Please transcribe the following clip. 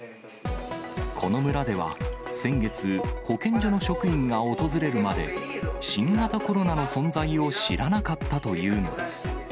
この村では先月、保健所の職員が訪れるまで、新型コロナの存在を知らなかったというのです。